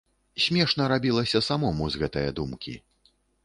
Смешна рабілася самому з гэтае думкі.